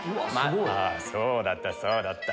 そうだったそうだった。